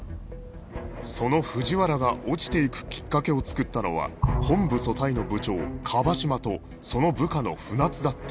その藤原が落ちていくきっかけを作ったのは本部組対の部長椛島とその部下の船津だった